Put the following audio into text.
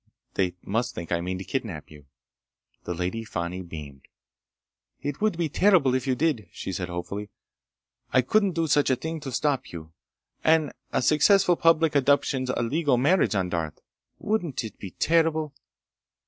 They must think I mean to kidnap you." The Lady Fani beamed. "It would be terrible if you did," she said hopefully. "I couldn't do a thing to stop you! And a successful public abduction's a legal marriage, on Darth! Wouldn't it be terrible?"